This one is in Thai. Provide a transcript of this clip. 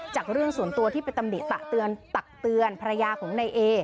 เรื่องส่วนตัวที่ไปตำหนิตักเตือนภรรยาของนายเอ